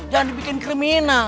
jangan dibikin krimina